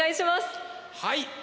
はい。